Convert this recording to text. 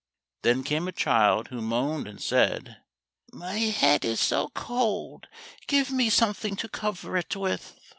Then came a child who moaned and said, "My head is so cold, give me something to cover it with."